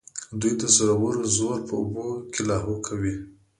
دوی د زورورو زور په اوبو کې لاهو کوي.